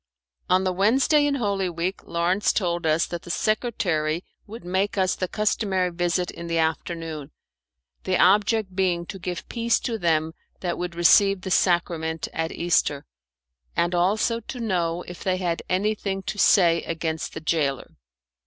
On the Wednesday in Holy Week Lawrence told us that the secretary would make us the customary visit in the afternoon, the object being to give peace to them that would receive the sacrament at Easter, and also to know if they had anything to say against the gaoler.